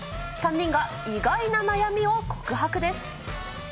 ３人が意外な悩みを告白です。